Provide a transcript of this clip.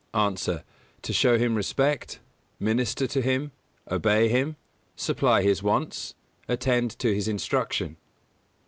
_ A. To show him respect; minister to him; obey him; supply his wants; attend to his instruction.